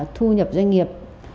thu nhập doanh nghiệp ba mươi